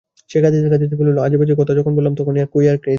সে কাঁদিতে কাঁদিতে বলিল, আজেবাজে কথা কখন বললাম, কখন ইয়র্কি দিলাম?